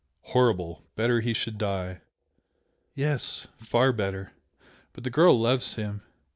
"Horrible! Better he should die!" "Yes, far better! But the girl loves him.